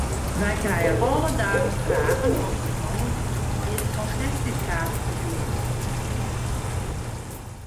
Wy krije alle dagen fragen oft it noch mooglik is om wedstriidkaarten te keapjen.